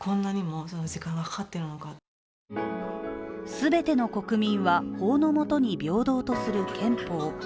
すべての国民は、法の下に平等とする憲法。